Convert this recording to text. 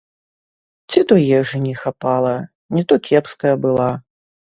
Ці то ежы не хапала, не то кепская была.